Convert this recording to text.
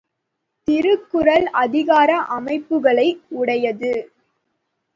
திருக்குறள் அதிகார அமைப்புகளை உடையது.